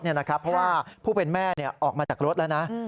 เพราะว่าผู้เป็นแม่ออกมาจากรถแล้วนะ